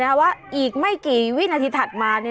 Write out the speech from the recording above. ต่างซากไม่กี่วินาที